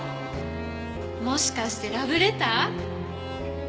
もしかしてラブレター？